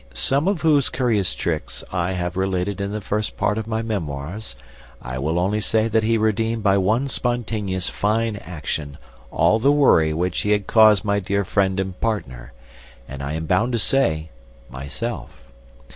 some of whose curious tricks I have related in the first part of my Memoirs, I will only say that he redeemed by one spontaneous fine action all the worry which he had caused my dear friend and partner and, I am bound to say, myself.